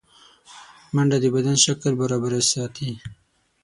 منډه د بدن شکل برابر ساتي